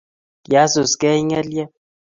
kiasus gei ng'elyeb